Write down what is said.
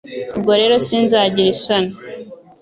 Ubwo rero sinzagira isoni